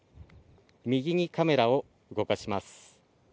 右にカメラを動かします。